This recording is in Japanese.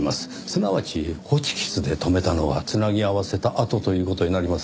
すなわちホチキスで留めたのは繋ぎ合わせたあとという事になりますね。